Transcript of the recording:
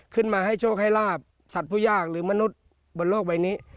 ขึ้นมาให้โชคให้ลาบสัตว์ผู้ยากหรือมนุษย์บนโลกใบนี้